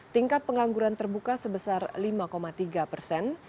tingkat pengangguran terbuka sebesar lima tiga persen